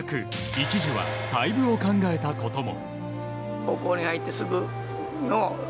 一時は退部を考えたことも。